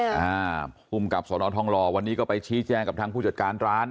อ่าคุมกับสนทรทองรวันนี้ก็ไปชี้แจ้งกับทั้งผู้จัดการร้าน